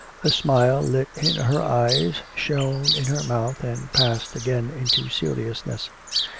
A smile lit in her eyes, shone in her mouth, and passed again into seriousness.